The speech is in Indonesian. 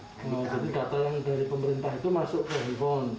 berdasarkan data yang ada di pemerintah kabupaten itu